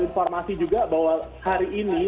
informasi juga bahwa hari ini